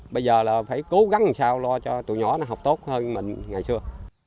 bây giờ là phải cố gắng làm sao lo cho tụi nhỏ nó học tốt hơn mình ngày xưa